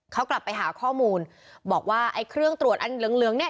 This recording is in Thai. เขากลับไปหาข้อมูลบอกว่าไอ้เครื่องตรวจอันเหลืองเหลืองเนี่ย